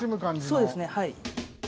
そうですねはい。